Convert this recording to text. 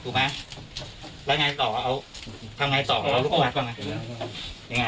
จับค้าให้ก่อน